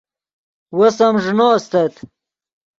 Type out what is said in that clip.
وس ام ݱینو استت